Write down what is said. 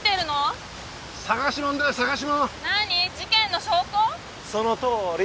そのとおり。